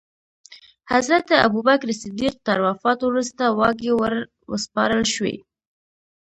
حضرت ابوبکر صدیق تر وفات وروسته واګې وروسپارل شوې.